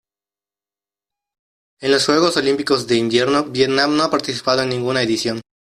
En los Juegos Olímpicos de Invierno Vietnam no ha participado en ninguna edición.